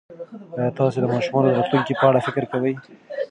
ایا تاسي د ماشومانو د راتلونکي په اړه فکر کوئ؟